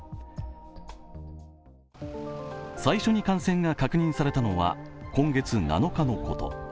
最初に感染が確認されたのは今月７日のこと。